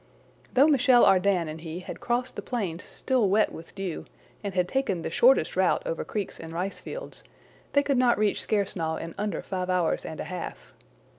Though Michel Ardan and he had crossed the plains still wet with dew, and had taken the shortest route over creeks and ricefields, they could not reach Skersnaw in under five hours and a half.